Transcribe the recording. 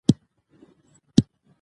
د خج دوه ډولونه شته.